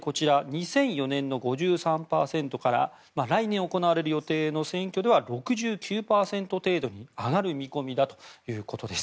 ２００４年の５３％から来年行われる予定の選挙では６９％程度に上がる見込みだということです。